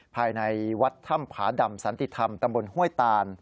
ภายในวัดถ้ำผาดำสันติธรรมตำบลห้วยตาน